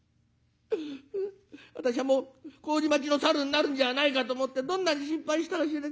私はもう麹町のサルになるんじゃないかと思ってどんなに心配したか